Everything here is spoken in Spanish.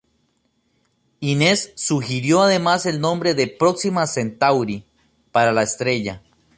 Innes sugirió además el nombre de "Próxima Centauri" para la estrella.